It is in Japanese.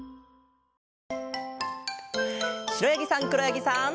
しろやぎさんくろやぎさん。